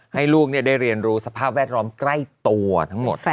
ให้ลูกได้เรียนรู้สภาพแวดล้อมใกล้ตัวทั้งหมด